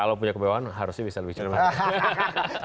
kalau punya kemewahan harusnya bisa lebih cepat